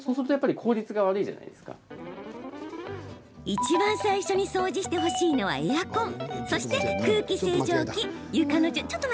いちばん最初に掃除してほしいのはエアコン、空気清浄機、床の順。